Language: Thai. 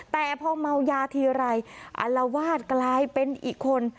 แต่พอเมายาทีไรอรวาสกลายเป็นอีกคน